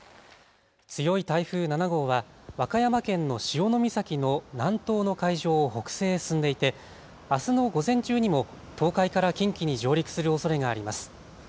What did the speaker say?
強い台風７号は和歌山県の潮岬の南東の海上を北西へ進んでいてあすの午前中にも東海から近畿に上陸するおそれがあります。